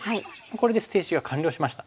これで捨て石が完了しました。